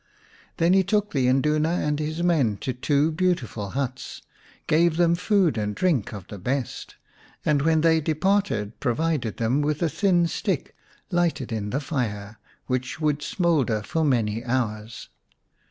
Then he took the Induna and his men to two beautiful huts, gave them food and drink of the best, and when they departed provided them with a thin stick lighted in the fire, which would smoulder for many hours.